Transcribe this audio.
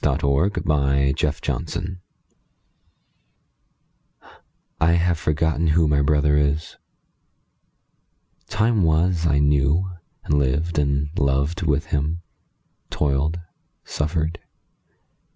AT EASE ON LETHE WHARF.*^ I have forgotten who my brother is. Time was I knew, and lived and loved with him; Toiled, suffered.